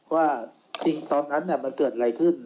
ว่าจริงตอนนั้นมันเกิดอะไรขึ้น